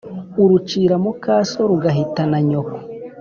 Urucira muka So rugahitana Nyoko.